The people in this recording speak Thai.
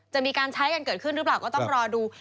จะมีการใช้กันเกิดขึ้นหรือเปล่าก็ต้องรอดู